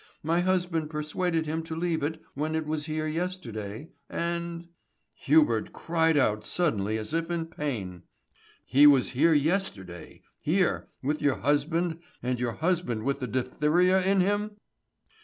My husband persuaded him to leave it when it was here yesterday, and " Hubert had cried out suddenly as if in pain. "He was here yesterday here, with your husband, and your husband with the diphtheria on him?"